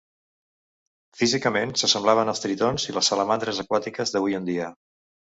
Físicament, s'assemblaven als tritons i les salamandres aquàtiques d'avui en dia.